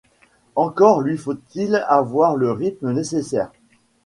Encore lui faut-il avoir le rythme nécessaire.